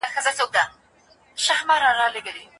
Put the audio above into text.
پوهانو د ټولنې لپاره قوانین جوړ کړي دي.